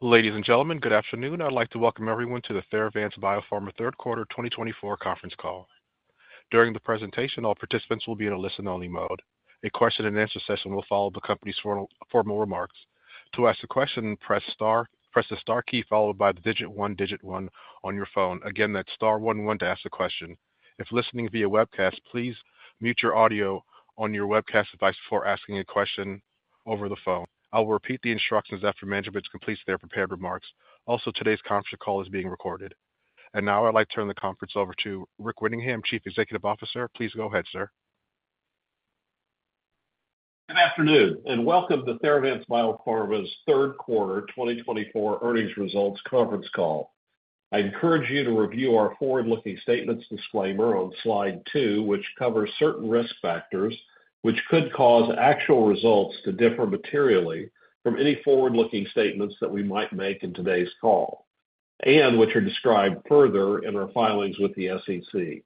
Ladies and gentlemen, good afternoon. I'd like to welcome everyone to the Theravance Biopharma Q3 2024 Conference Call. During the presentation, all participants will be in a listen-only mode. A question-and-answer session will follow the company's formal remarks. To ask a question, press the star key followed by the digit one, digit one on your phone. Again, that's star one, one to ask a question. If listening via webcast, please mute your audio on your webcast device before asking a question over the phone. I will repeat the instructions after management completes their prepared remarks. Also, today's conference call is being recorded, and now I'd like to turn the conference over to Rick Winningham, Chief Executive Officer. Please go ahead, sir. Good afternoon and welcome to Theravance Biopharma's Q3 2024 earnings results conference call. I encourage you to review our forward-looking statements disclaimer on slide two, which covers certain risk factors which could cause actual results to differ materially from any forward-looking statements that we might make in today's call and which are described further in our filings with the SEC.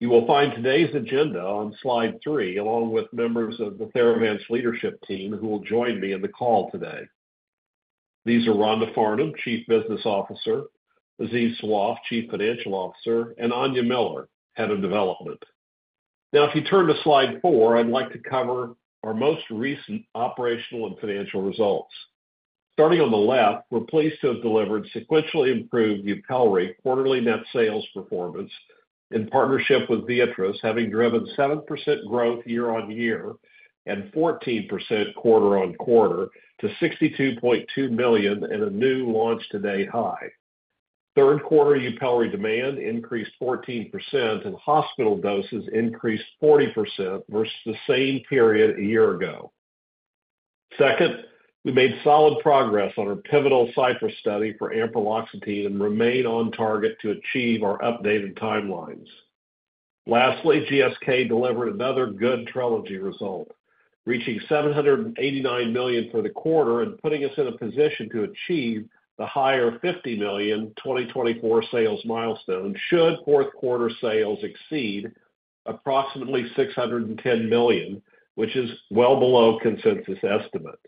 You will find today's agenda on slide three, along with members of the Theravance leadership team who will join me in the call today. These are Rhonda Farnum, Chief Business Officer, Aziz Sawaf, Chief Financial Officer, and Aine Miller, Head of Development. Now, if you turn to slide four, I'd like to cover our most recent operational and financial results. Starting on the left, we're pleased to have delivered sequentially improved YUPELRI quarterly net sales performance in partnership with Viatris, having driven 7% growth year-on-year and 14% quarter-on-quarter to $62.2 million and a new launch today high. Q3 YUPELRI demand increased 14% and hospital doses increased 40% versus the same period a year ago. Second, we made solid progress on our pivotal CYPRESS study for ampreloxetine and remain on target to achieve our updated timelines. Lastly, GSK delivered another good Trelegy result, reaching $789 million for the quarter and putting us in a position to achieve the higher $50 million 2024 sales milestone should Q4 sales exceed approximately $610 million, which is well below consensus estimate.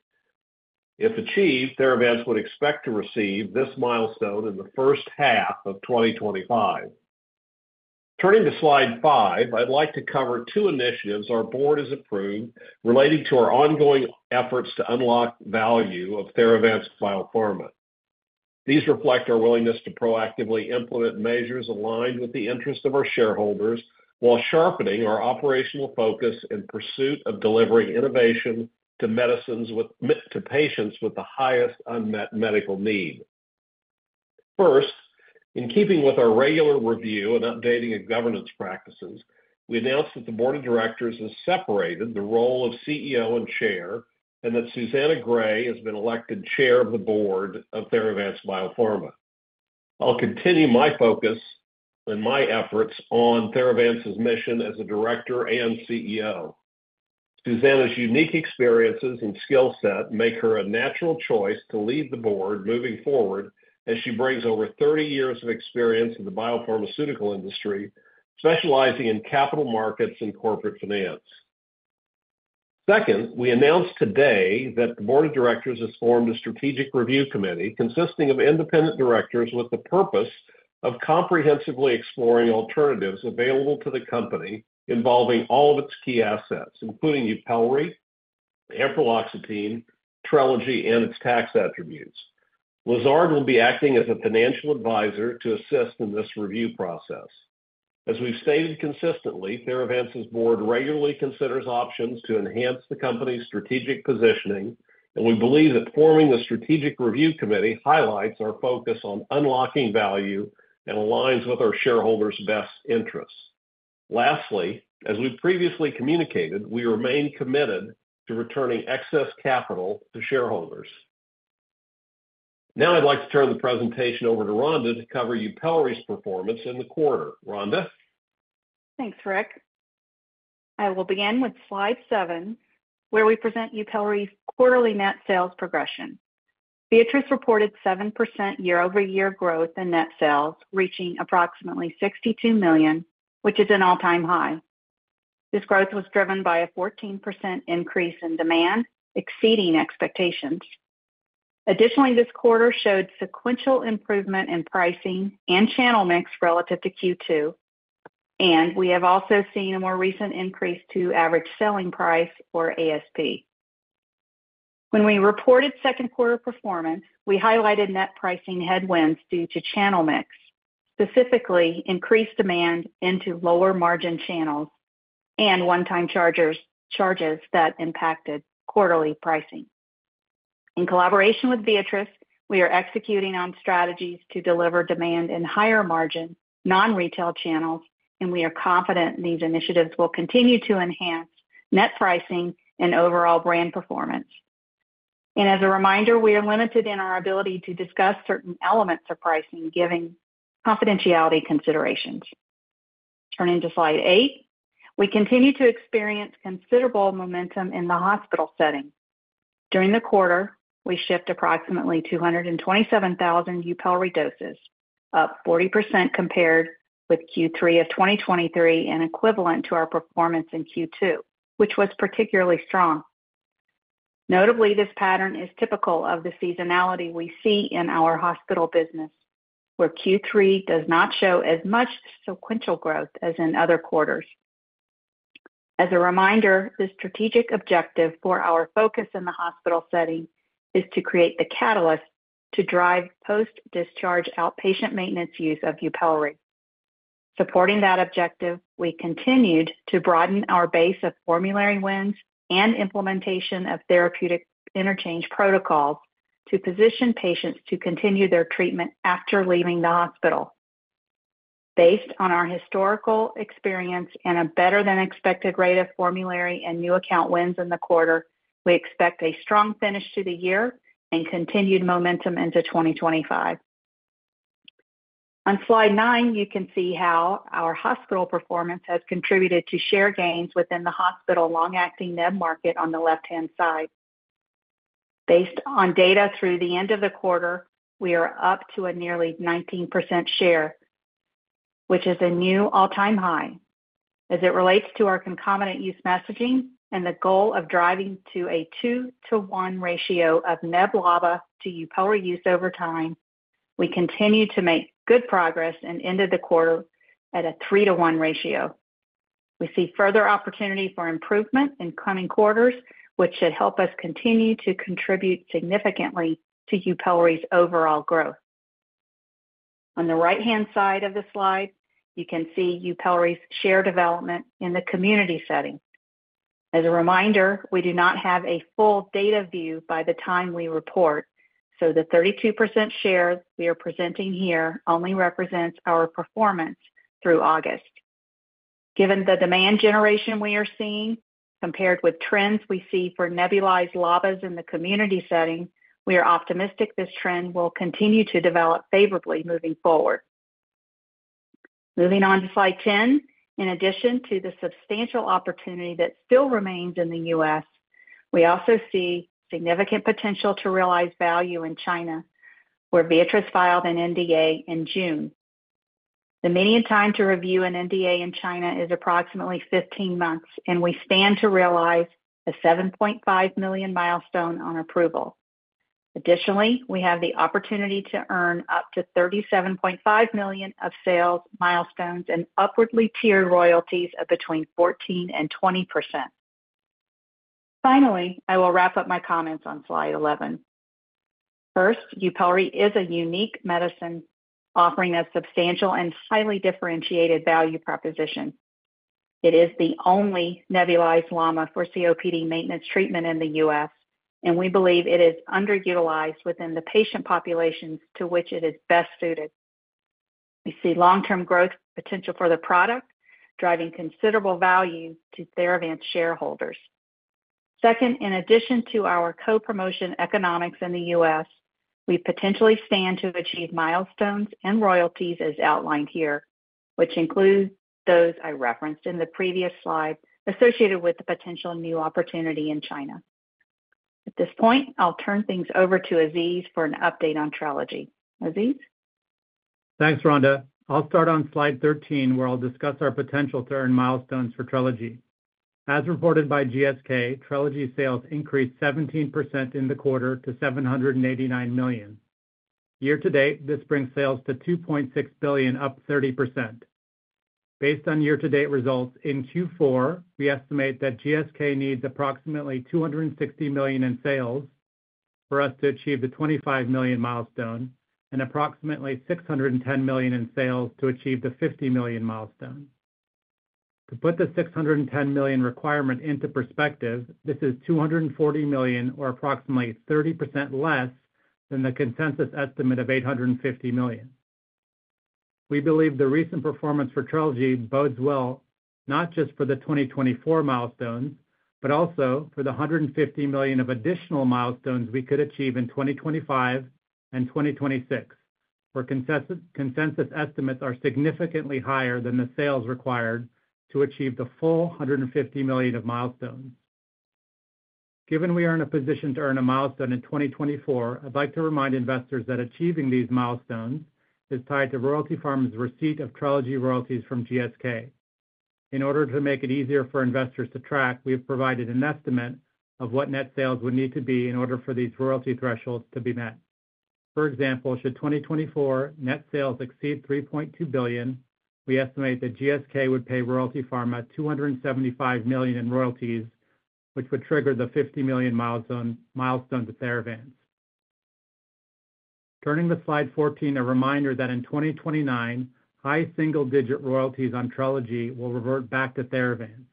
If achieved, Theravance would expect to receive this milestone in the H1 of 2025. Turning to slide five, I'd like to cover two initiatives our board has approved relating to our ongoing efforts to unlock value of Theravance Biopharma. These reflect our willingness to proactively implement measures aligned with the interests of our shareholders while sharpening our operational focus in pursuit of delivering innovation to patients with the highest unmet medical need. First, in keeping with our regular review and updating of governance practices, we announced that the board of directors has separated the role of CEO and Chair and that Susanna Gray has been elected Chair of the board of Theravance Biopharma. I'll continue my focus and my efforts on Theravance's mission as a director and CEO. Susanna's unique experiences and skill set make her a natural choice to lead the board moving forward as she brings over 30 years of experience in the biopharmaceutical industry, specializing in capital markets and corporate finance. Second, we announced today that the board of directors has formed a strategic review committee consisting of independent directors with the purpose of comprehensively exploring alternatives available to the company involving all of its key assets, including YUPELRI, ampreloxetine, Trelegy, and its tax attributes. Lazard will be acting as a financial advisor to assist in this review process. As we've stated consistently, Theravance's board regularly considers options to enhance the company's strategic positioning, and we believe that forming the strategic review committee highlights our focus on unlocking value and aligns with our shareholders' best interests. Lastly, as we previously communicated, we remain committed to returning excess capital to shareholders. Now I'd like to turn the presentation over to Rhonda to cover YUPELRI's performance in the quarter. Rhonda? Thanks, Rick. I will begin with slide seven, where we present YUPELRI's quarterly net sales progression. Viatris reported 7% year-over-year growth in net sales, reaching approximately $62 million, which is an all-time high. This growth was driven by a 14% increase in demand exceeding expectations. Additionally, this quarter showed sequential improvement in pricing and channel mix relative to Q2, and we have also seen a more recent increase to average selling price or ASP. When we reported Q2 performance, we highlighted net pricing headwinds due to channel mix, specifically increased demand into lower margin channels and one-time charges that impacted quarterly pricing. In collaboration with Viatris, we are executing on strategies to deliver demand in higher margin non-retail channels, and we are confident these initiatives will continue to enhance net pricing and overall brand performance. And as a reminder, we are limited in our ability to discuss certain elements of pricing, giving confidentiality considerations. Turning to slide eight, we continue to experience considerable momentum in the hospital setting. During the quarter, we shipped approximately 227,000 YUPELRI doses, up 40% compared with Q3 of 2023 and equivalent to our performance in Q2, which was particularly strong. Notably, this pattern is typical of the seasonality we see in our hospital business, where Q3 does not show as much sequential growth as in other quarters. As a reminder, the strategic objective for our focus in the hospital setting is to create the catalyst to drive post-discharge outpatient maintenance use of YUPELRI. Supporting that objective, we continued to broaden our base of formulary wins and implementation of therapeutic interchange protocols to position patients to continue their treatment after leaving the hospital. Based on our historical experience and a better-than-expected rate of formulary and new account wins in the quarter, we expect a strong finish to the year and continued momentum into 2025. On slide nine, you can see how our hospital performance has contributed to share gains within the hospital long-acting med market on the left-hand side. Based on data through the end of the quarter, we are up to a nearly 19% share, which is a new all-time high. As it relates to our concomitant use messaging and the goal of driving to a 2:1 ratio of neb/LABA to YUPELRI use over time, we continue to make good progress and ended the quarter at a 3:1 ratio. We see further opportunity for improvement in coming quarters, which should help us continue to contribute significantly to YUPELRI's overall growth. On the right-hand side of the slide, you can see YUPELRI's share development in the community setting. As a reminder, we do not have a full data view by the time we report, so the 32% share we are presenting here only represents our performance through August. Given the demand generation we are seeing compared with trends we see for nebulized LABAs in the community setting, we are optimistic this trend will continue to develop favorably moving forward. Moving on to slide 10, in addition to the substantial opportunity that still remains in the U.S., we also see significant potential to realize value in China, where Viatris filed an NDA in June. The median time to review an NDA in China is approximately 15 months, and we stand to realize a $7.5 million milestone on approval. Additionally, we have the opportunity to earn up to $37.5 million of sales milestones and upwardly tiered royalties of between 14% and 20%. Finally, I will wrap up my comments on slide 11. First, YUPELRI is a unique medicine offering a substantial and highly differentiated value proposition. It is the only nebulized LAMA for COPD maintenance treatment in the U.S., and we believe it is underutilized within the patient populations to which it is best suited. We see long-term growth potential for the product, driving considerable value to Theravance shareholders. Second, in addition to our co-promotion economics in the U.S., we potentially stand to achieve milestones and royalties as outlined here, which include those I referenced in the previous slide associated with the potential new opportunity in China. At this point, I'll turn things over to Aziz for an update on Trelegy. Aziz? Thanks, Rhonda. I'll start on slide 13, where I'll discuss our potential to earn milestones for Trelegy. As reported by GSK, Trelegy sales increased 17% in the quarter to $789 million. Year-to-date, this brings sales to $2.6 billion, up 30%. Based on year-to-date results, in Q4, we estimate that GSK needs approximately $260 million in sales for us to achieve the $25 million milestone and approximately $610 million in sales to achieve the $50 million milestone. To put the $610 million requirement into perspective, this is $240 million or approximately 30% less than the consensus estimate of $850 million. We believe the recent performance for Trelegy bodes well not just for the 2024 milestones, but also for the $150 million of additional milestones we could achieve in 2025 and 2026, where consensus estimates are significantly higher than the sales required to achieve the full $150 million of milestones. Given we are in a position to earn a milestone in 2024, I'd like to remind investors that achieving these milestones is tied to Royalty Pharma's receipt of Trelegy royalties from GSK. In order to make it easier for investors to track, we have provided an estimate of what net sales would need to be in order for these royalty thresholds to be met. For example, should 2024 net sales exceed $3.2 billion, we estimate that GSK would pay Royalty Pharma $275 million in royalties, which would trigger the $50 million milestone to Theravance. Turning to Slide 14, a reminder that in 2029, high single-digit royalties on Trelegy will revert back to Theravance,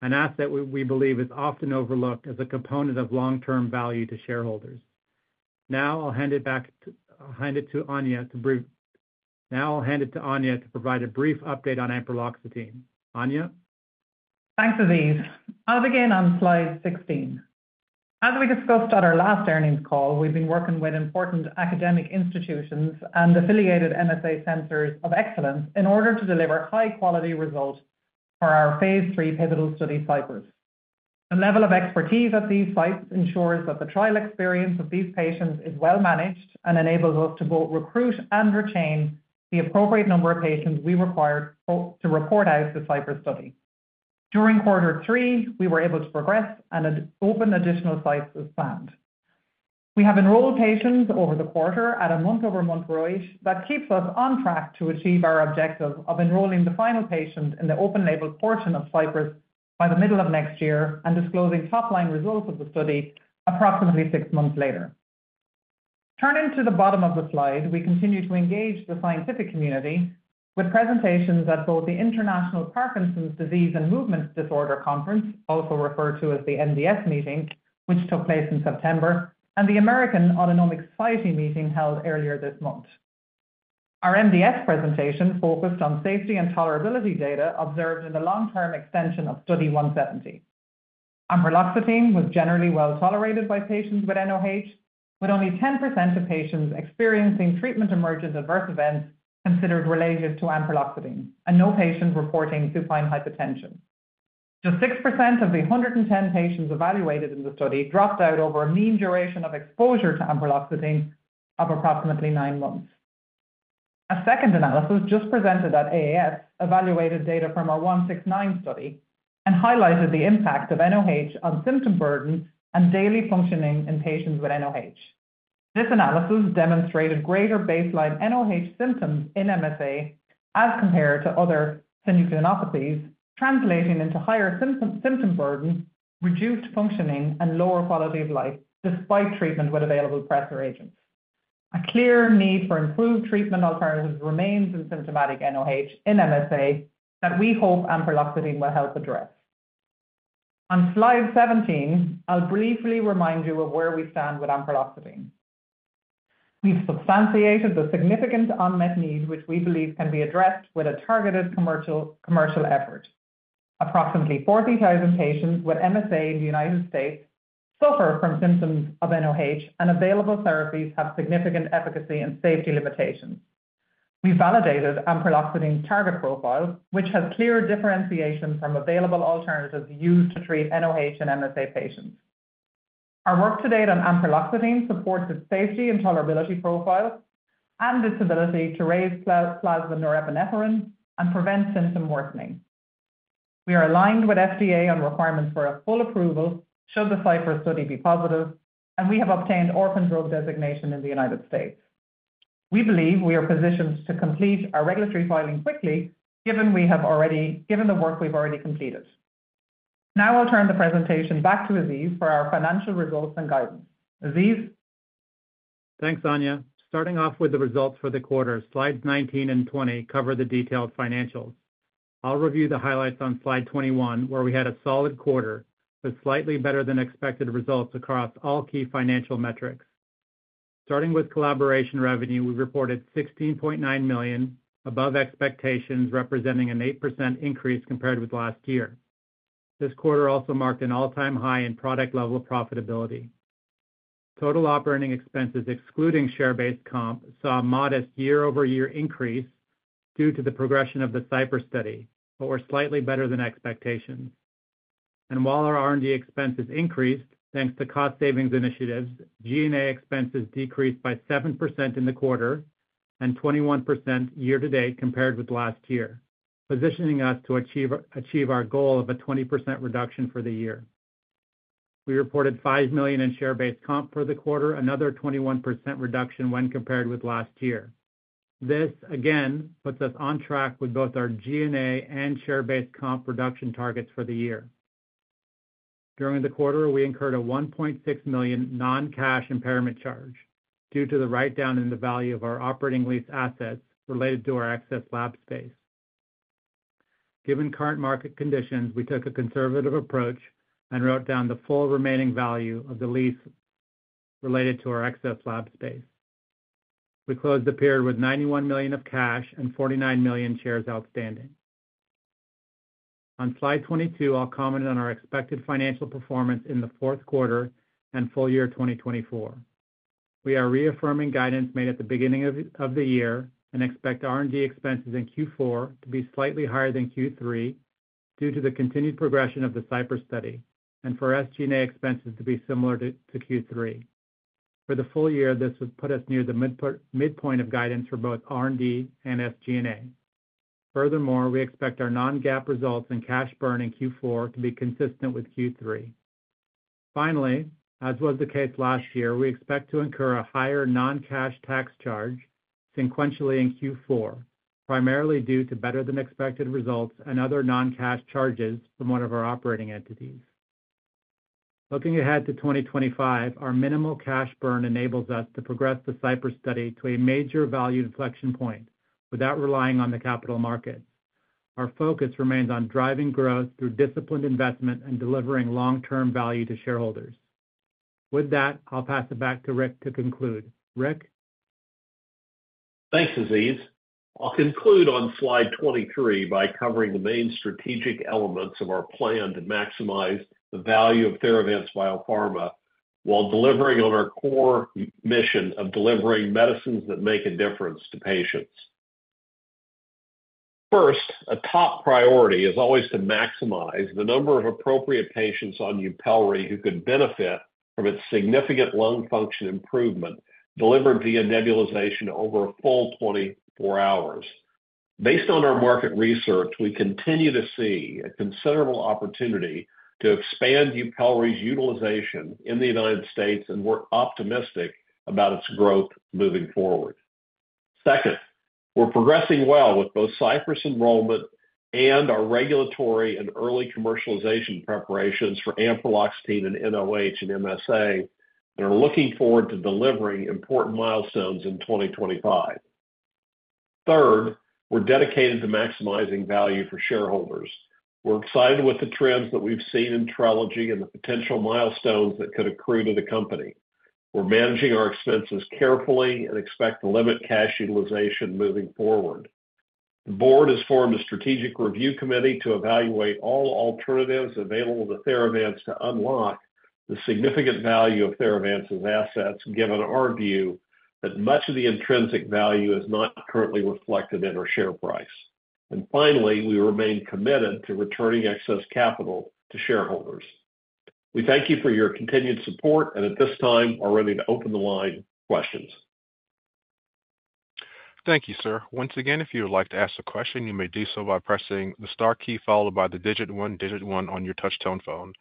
an asset we believe is often overlooked as a component of long-term value to shareholders. Now I'll hand it back to Aine to provide a brief update on ampreloxetine. Aine? Thanks, Aziz. I'll begin on slide 16. As we discussed at our last earnings call, we've been working with important academic institutions and affiliated MSA centers of excellence in order to deliver high-quality results for our phase 3 pivotal study CYPRESS. The level of expertise at these sites ensures that the trial experience of these patients is well managed and enables us to both recruit and retain the appropriate number of patients we required to report out the CYPRESS study. During quarter three, we were able to progress and open additional sites as planned. We have enrolled patients over the quarter at a month-over-month rate that keeps us on track to achieve our objective of enrolling the final patient in the open-label portion of CYPRESS by the middle of next year and disclosing top-line results of the study approximately six months later. Turning to the bottom of the slide, we continue to engage the scientific community with presentations at both the International Parkinson and Movement Disorder Society meeting, also referred to as the MDS meeting, which took place in September, and the American Autonomic Society meeting held earlier this month. Our MDS presentation focused on safety and tolerability data observed in the long-term extension of study 170. ampreloxetine was generally well tolerated by patients with NOH, with only 10% of patients experiencing treatment-emergent adverse events considered related to ampreloxetine and no patients reporting supine hypertension. Just 6% of the 110 patients evaluated in the study dropped out over a mean duration of exposure to ampreloxetine of approximately nine months. A second analysis just presented at AAS evaluated data from our 169 study and highlighted the impact of NOH on symptom burden and daily functioning in patients with NOH. This analysis demonstrated greater baseline NOH symptoms in MSA as compared to other synucleinopathies, translating into higher symptom burden, reduced functioning, and lower quality of life despite treatment with available pressor agents. A clear need for improved treatment alternatives remains in symptomatic NOH in MSA that we hope ampreloxetine will help address. On slide 17, I'll briefly remind you of where we stand with ampreloxetine. We've substantiated the significant unmet need, which we believe can be addressed with a targeted commercial effort. Approximately 40,000 patients with MSA in the United States suffer from symptoms of NOH, and available therapies have significant efficacy and safety limitations. We validated ampreloxetine's target profile, which has clear differentiation from available alternatives used to treat NOH in MSA patients. Our work to date on ampreloxetine supports its safety and tolerability profile and its ability to raise plasma norepinephrine and prevent symptom worsening. We are aligned with FDA on requirements for a full approval should the CYPRESS study be positive, and we have obtained orphan drug designation in the United States. We believe we are positioned to complete our regulatory filing quickly, given the work we've already completed. Now I'll turn the presentation back to Aziz for our financial results and guidance. Aziz? Thanks, Aine. Starting off with the results for the quarter, slides 19 and 20 cover the detailed financials. I'll review the highlights on slide 21, where we had a solid quarter with slightly better-than-expected results across all key financial metrics. Starting with collaboration revenue, we reported $16.9 million above expectations, representing an 8% increase compared with last year. This quarter also marked an all-time high in product-level profitability. Total operating expenses, excluding share-based comp, saw a modest year-over-year increase due to the progression of the CYPRESS study, but were slightly better than expectations, and while our R&D expenses increased thanks to cost-savings initiatives, G&A expenses decreased by 7% in the quarter and 21% year-to-date compared with last year, positioning us to achieve our goal of a 20% reduction for the year. We reported $5 million in share-based comp for the quarter, another 21% reduction when compared with last year. This, again, puts us on track with both our G&A and share-based comp reduction targets for the year. During the quarter, we incurred a $1.6 million non-cash impairment charge due to the write-down in the value of our operating lease assets related to our excess lab space. Given current market conditions, we took a conservative approach and wrote down the full remaining value of the lease related to our excess lab space. We closed the period with $91 million of cash and 49 million shares outstanding. On slide 22, I'll comment on our expected financial performance in the Q4 and full year 2024. We are reaffirming guidance made at the beginning of the year and expect R&D expenses in Q4 to be slightly higher than Q3 due to the continued progression of the CYPRESS study and for SG&A expenses to be similar to Q3. For the full year, this would put us near the midpoint of guidance for both R&D and SG&A. Furthermore, we expect our non-GAAP results and cash burn in Q4 to be consistent with Q3. Finally, as was the case last year, we expect to incur a higher non-cash tax charge sequentially in Q4, primarily due to better-than-expected results and other non-cash charges from one of our operating entities. Looking ahead to 2025, our minimal cash burn enables us to progress the Cypress study to a major value inflection point without relying on the capital markets. Our focus remains on driving growth through disciplined investment and delivering long-term value to shareholders. With that, I'll pass it back to Rick to conclude. Rick? Thanks, Aziz. I'll conclude on slide 23 by covering the main strategic elements of our plan to maximize the value of Theravance Biopharma while delivering on our core mission of delivering medicines that make a difference to patients. First, a top priority is always to maximize the number of appropriate patients on YUPELRI who could benefit from its significant lung function improvement delivered via nebulization over a full 24 hours. Based on our market research, we continue to see a considerable opportunity to expand YUPELRI's utilization in the United States and we're optimistic about its growth moving forward. Second, we're progressing well with both Cypress enrollment and our regulatory and early commercialization preparations for ampreloxetine in NOH and MSA and are looking forward to delivering important milestones in 2025. Third, we're dedicated to maximizing value for shareholders. We're excited with the trends that we've seen in Trelegy and the potential milestones that could accrue to the company. We're managing our expenses carefully and expect to limit cash utilization moving forward. The board has formed a strategic review committee to evaluate all alternatives available to Theravance to unlock the significant value of Theravance's assets, given our view that much of the intrinsic value is not currently reflected in our share price. And finally, we remain committed to returning excess capital to shareholders. We thank you for your continued support and at this time are ready to open the line for questions. Thank you, sir. Once again, if you would like to ask a question, you may do so by pressing the star key followed by the digit one, digit one on your touch-tone phone.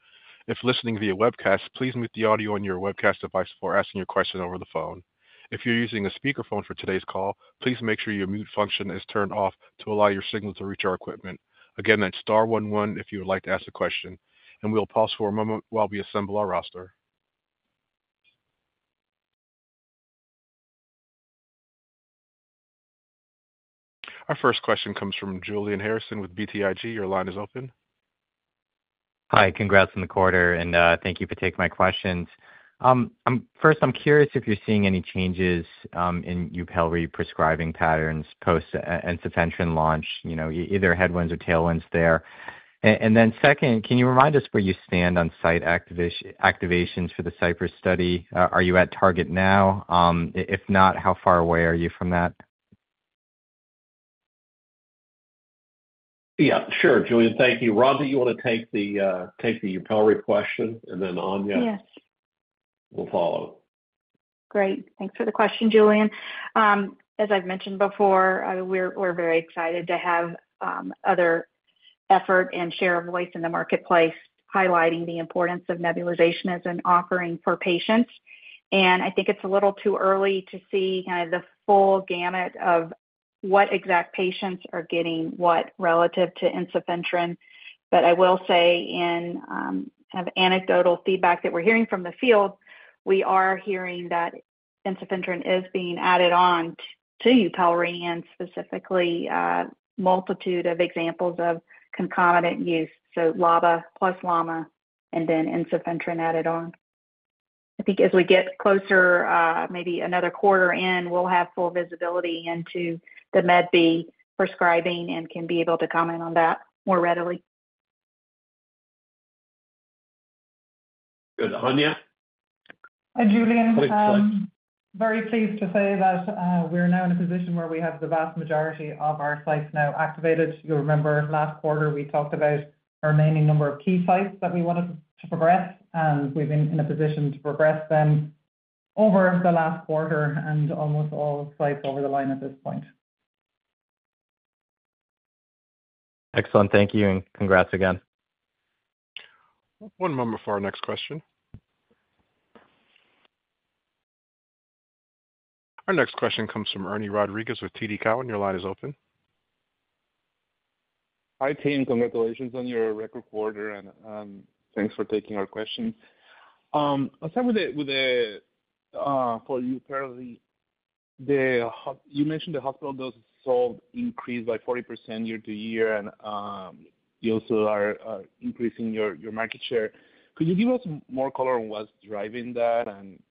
If listening via webcast, please mute the audio on your webcast device before asking your question over the phone. If you're using a speakerphone for today's call, please make sure your mute function is turned off to allow your signal to reach our equipment. Again, that's star one, one if you would like to ask a question. And we'll pause for a moment while we assemble our roster. Our first question comes from Julian Harrison with BTIG. Your line is open. Hi, congrats on the quarter, and thank you for taking my questions. First, I'm curious if you're seeing any changes in YUPELRI prescribing patterns post ensifentrin launch, either headwinds or tailwinds there. And then second, can you remind us where you stand on site activations for the CYPRESS study? Are you at target now? If not, how far away are you from that? Yeah, sure, Julian, thank you. Rhonda, you want to take the YUPELRI question, and then Aine will follow. Great. Thanks for the question, Julian. As I've mentioned before, we're very excited to have other efforts and share a voice in the marketplace highlighting the importance of nebulization as an offering for patients. And I think it's a little too early to see kind of the full gamut of what exact patients are getting what relative to ensifentrin. But I will say in kind of anecdotal feedback that we're hearing from the field, we are hearing that ensifentrin is being added on to YUPELRI and specifically a multitude of examples of concomitant use, so LABA plus LAMA and then ensifentrin added on. I think as we get closer, maybe another quarter in, we'll have full visibility into the Med B prescribing and can be able to comment on that more readily. Good. Aine? Julian, very pleased to say that we're now in a position where we have the vast majority of our sites now activated. You'll remember last quarter we talked about our remaining number of key sites that we wanted to progress, and we've been in a position to progress them over the last quarter and almost all sites over the line at this point. Excellent. Thank you and congrats again. One moment for our next question. Our next question comes from Ernie Rodriguez with TD Cowen. Your line is open. Hi, team. Congratulations on your record quarter and thanks for taking our questions. I'll start with the for YUPELRI. You mentioned the hospital dose of salt increased by 40% year to year, and you also are increasing your market share. Could you give us more color on what's driving that and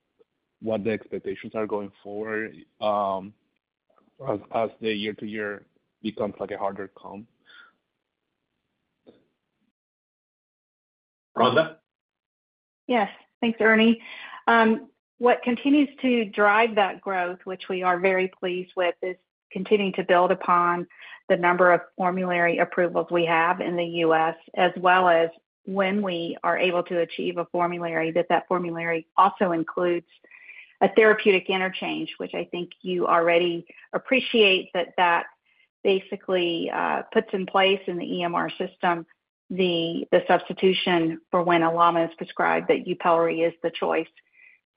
what the expectations are going forward as the year-to-year becomes a harder comp? Rhonda? Yes. Thanks, Ernie. What continues to drive that growth, which we are very pleased with, is continuing to build upon the number of formulary approvals we have in the U.S., as well as when we are able to achieve a formulary that that formulary also includes a therapeutic interchange, which I think you already appreciate that that basically puts in place in the EMR system the substitution for when a LAMA is prescribed that YUPELRI is the choice.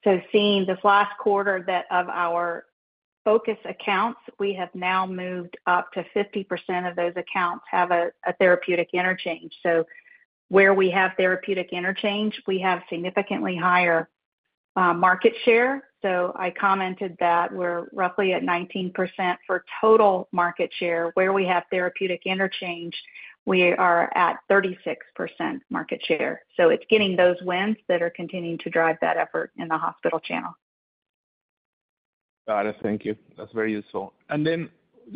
So seeing this last quarter of our focus accounts, we have now moved up to 50% of those accounts have a therapeutic interchange. So where we have therapeutic interchange, we have significantly higher market share. So I commented that we're roughly at 19% for total market share. Where we have therapeutic interchange, we are at 36% market share. So it's getting those wins that are continuing to drive that effort in the hospital channel. Got it. Thank you. That's very useful. And then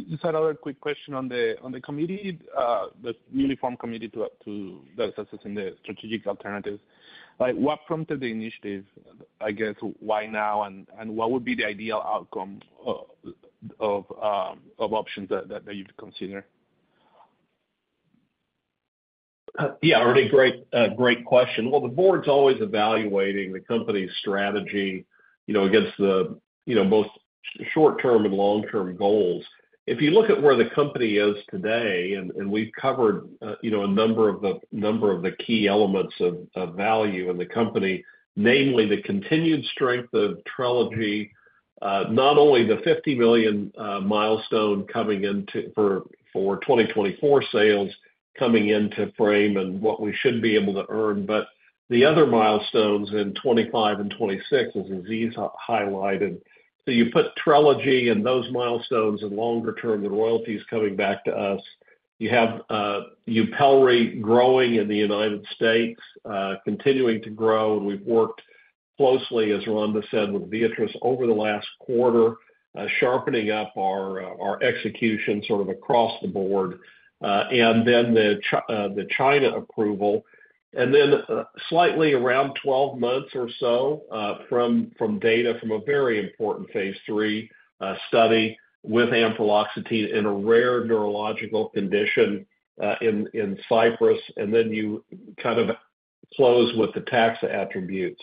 just another quick question on the committee, the strategic review committee that's assessing the strategic alternatives. What prompted the initiative? I guess why now and what would be the ideal outcome of options that you'd consider? Yeah, Ernie, great question. Well, the board's always evaluating the company's strategy against the most short-term and long-term goals. If you look at where the company is today, and we've covered a number of the key elements of value in the company, namely the continued strength of Trelegy, not only the $50 million milestone coming into for 2024 sales coming into frame and what we should be able to earn, but the other milestones in 2025 and 2026, as Aziz highlighted. So you put Trelegy and those milestones in longer term, the royalties coming back to us. You have YUPELRI growing in the United States, continuing to grow. And we've worked closely, as Rhonda said, with Viatris over the last quarter, sharpening up our execution sort of across the board, and then the China approval. And then, slightly around 12 months or so from data from a very important phase three study with ampreloxetine in a rare neurological condition in CYPRESS. And then you kind of close with the tax attributes.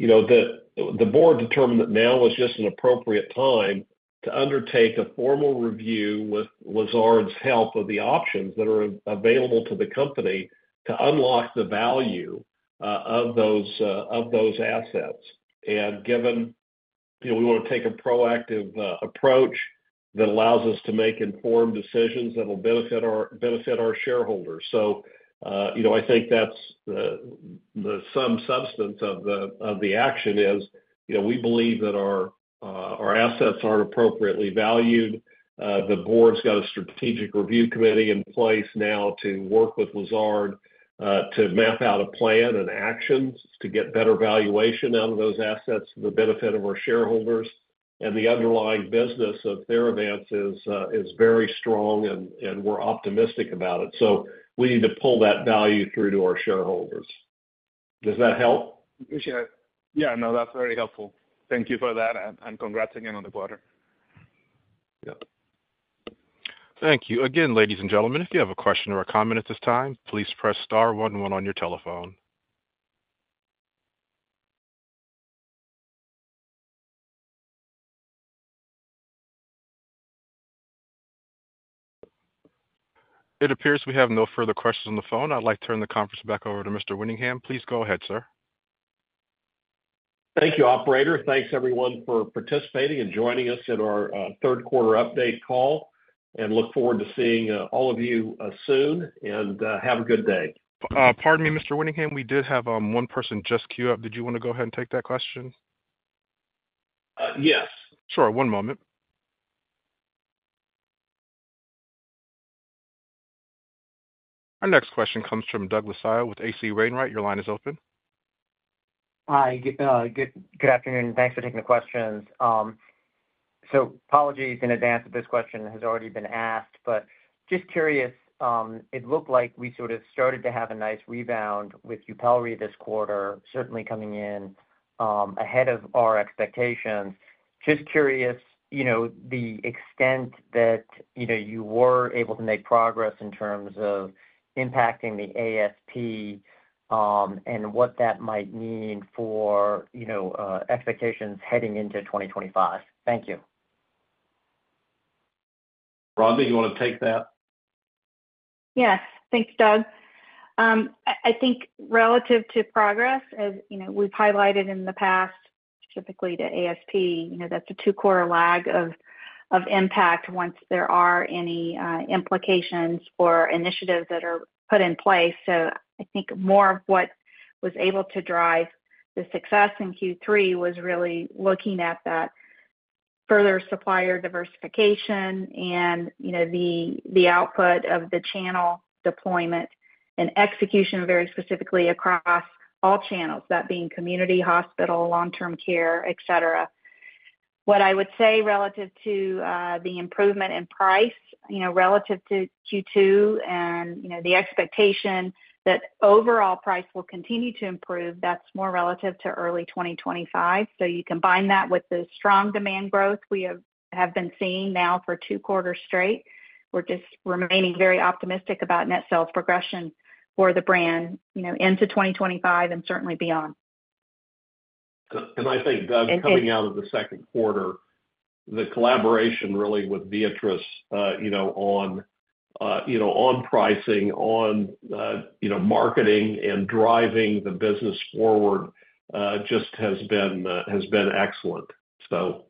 The board determined that now was just an appropriate time to undertake a formal review with Lazard's help of the options that are available to the company to unlock the value of those assets. And given we want to take a proactive approach that allows us to make informed decisions that will benefit our shareholders, so I think that's the sum and substance of the action. It is we believe that our assets are appropriately valued. The board's got a strategic review committee in place now to work with Lazard to map out a plan and actions to get better valuation out of those assets to the benefit of our shareholders. And the underlying business of Theravance is very strong, and we're optimistic about it. So we need to pull that value through to our shareholders. Does that help? Yeah, no, that's very helpful. Thank you for that, and congrats again on the quarter. Yeah. Thank you. Again, ladies and gentlemen, if you have a question or a comment at this time, please press star one, one on your telephone. It appears we have no further questions on the phone. I'd like to turn the conference back over to Mr. Winningham. Please go ahead, sir. Thank you, operator. Thanks, everyone, for participating and joining us in our Q3 update call, and look forward to seeing all of you soon, and have a good day. Pardon me, Mr. Winningham, we did have one person just queue up. Did you want to go ahead and take that question? Yes. Sure, one moment. Our next question comes from Douglas Tsao with H.C. Wainwright. Your line is open. Hi, good afternoon. Thanks for taking the questions. So apologies in advance if this question has already been asked, but just curious, it looked like we sort of started to have a nice rebound with YUPELRI this quarter, certainly coming in ahead of our expectations. Just curious the extent that you were able to make progress in terms of impacting the ASP and what that might mean for expectations heading into 2025. Thank you. Rhonda, you want to take that? Yes. Thanks, Doug. I think relative to progress, as we've highlighted in the past, typically to ASP, that's a two-quarter lag of impact once there are any implications for initiatives that are put in place. So I think more of what was able to drive the success in Q3 was really looking at that further supplier diversification and the output of the channel deployment and execution very specifically across all channels, that being community, hospital, long-term care, etc. What I would say relative to the improvement in price relative to Q2 and the expectation that overall price will continue to improve, that's more relative to early 2025. So you combine that with the strong demand growth we have been seeing now for two quarters straight. We're just remaining very optimistic about net sales progression for the brand into 2025 and certainly beyond. I think, Doug, coming out of the Q2, the collaboration really with Viatris on pricing, on marketing, and driving the business forward just has been excellent. So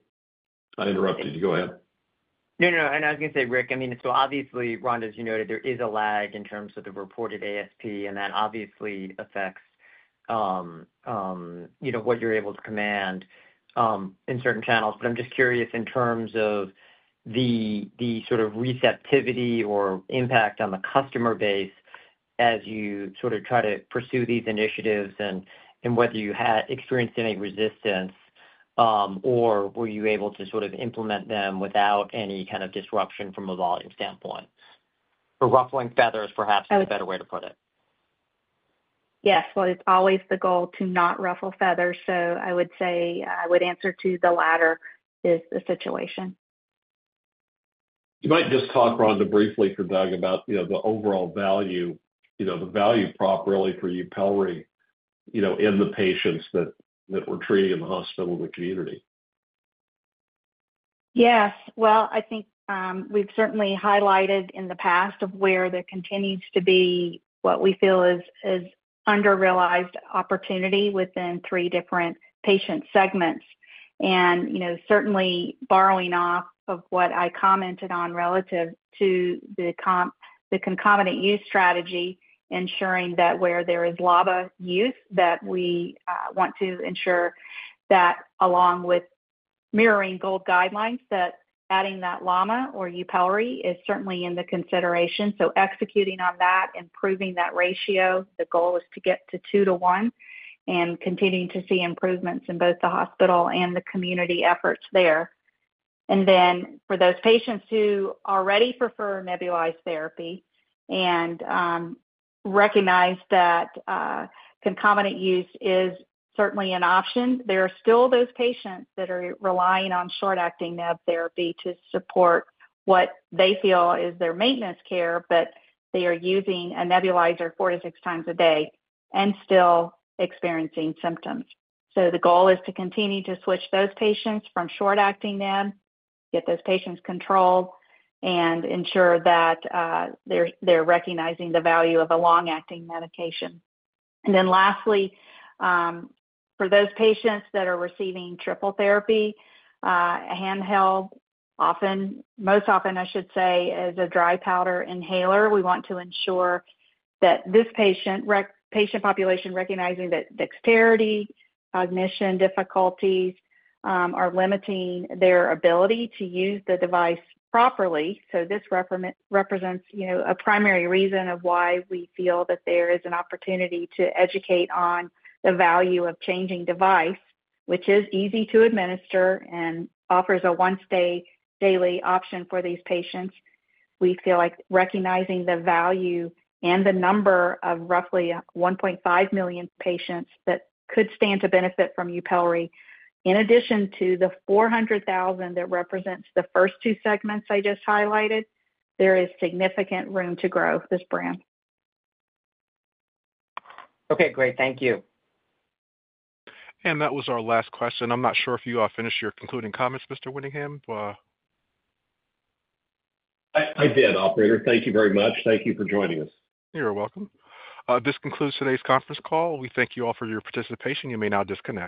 I interrupted you. Go ahead. No, no, no, and I was going to say, Rick, I mean, so obviously, Rhonda, as you noted, there is a lag in terms of the reported ASP, and that obviously affects what you're able to command in certain channels. But I'm just curious in terms of the sort of receptivity or impact on the customer base as you sort of try to pursue these initiatives and whether you experienced any resistance or were you able to sort of implement them without any kind of disruption from a volume standpoint or ruffling feathers, perhaps, is a better way to put it? Yes, well, it's always the goal to not ruffle feathers. So I would say I would answer to the latter is the situation. You might just talk, Rhonda, briefly for Doug about the overall value, the value prop really for YUPELRI in the patients that we're treating in the hospital and the community. Yes, well, I think we've certainly highlighted in the past where there continues to be what we feel is under-realized opportunity within three different patient segments, and certainly building off of what I commented on relative to the concomitant use strategy, ensuring that where there is LABA use, that we want to ensure that along with mirroring GOLD guidelines, that adding that LAMA or YUPELRI is certainly in the consideration, so executing on that, improving that ratio, the goal is to get to two-to-one and continuing to see improvements in both the hospital and the community efforts there. And then for those patients who already prefer nebulized therapy and recognize that concomitant use is certainly an option, there are still those patients that are relying on short-acting neb therapy to support what they feel is their maintenance care, but they are using a nebulizer four to six times a day and still experiencing symptoms. So the goal is to continue to switch those patients from short-acting neb, get those patients controlled, and ensure that they're recognizing the value of a long-acting medication. And then lastly, for those patients that are receiving triple therapy, handheld, most often, I should say, as a dry powder inhaler, we want to ensure that this patient population recognizing that dexterity, cognition difficulties are limiting their ability to use the device properly. This represents a primary reason of why we feel that there is an opportunity to educate on the value of changing device, which is easy to administer and offers a once-a-day option for these patients. We feel like recognizing the value and the number of roughly 1.5 million patients that could stand to benefit from YUPELRI, in addition to the 400,000 that represents the first two segments I just highlighted, there is significant room to grow this brand. Okay. Great. Thank you. That was our last question. I'm not sure if you finished your concluding comments, Mr. Winningham. I did, operator. Thank you very much. Thank you for joining us. You're welcome. This concludes today's conference call. We thank you all for your participation. You may now disconnect.